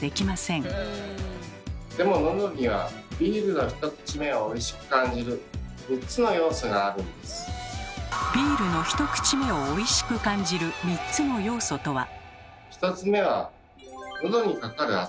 でもビールの１口目をおいしく感じる３つの要素とは？